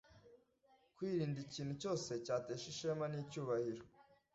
Kwirinda ikintu cyose cyatesha ishema n icyubahiro